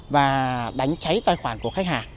và đánh cháy tài khoản của khách hàng